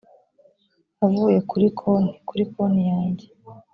avuye kuri konti kuri konti yanjye